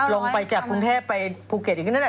ลงไปจากคุณเทพไปภูเก็ตยังไม่ได้